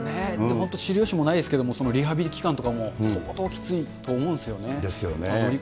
本当知る由もないですけども、リハビリ期間とかも相当きついと思うんですよね。